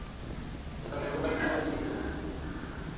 Zarurat neji hiu